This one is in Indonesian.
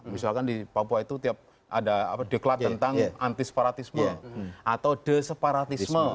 misalkan di papua itu tiap ada deklat tentang anti separatisme atau de separatisme